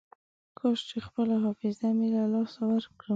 کاش چې خپله حافظه مې له لاسه ورکړم.